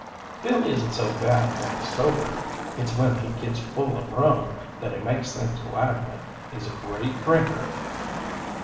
"Bill isn't so bad when he's sober. It's when he gits full o' rum that he makes things lively. He's a great drinker."